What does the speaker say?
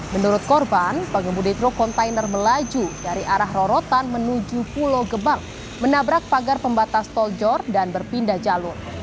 menurut korban pengemudi truk kontainer melaju dari arah rorotan menuju pulau gebang menabrak pagar pembatas tol jor dan berpindah jalur